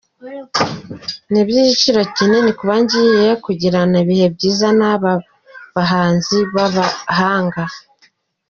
Ni iby’igiciro kinini kuba ngiye kugirana ibihe byiza n’aba bahnzi b’abahanga”.